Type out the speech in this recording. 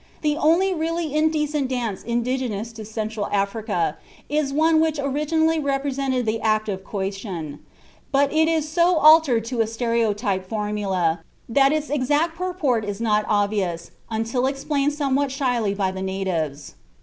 The only really indecent dance indigenous to Central Africa "is one which originally represented the act of coition, but it is so altered to a stereotyped formula that its exact purport is not obvious until explained somewhat shyly by the natives....